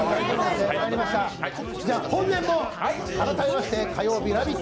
じゃあ本年も改めまして火曜日「ラヴィット！」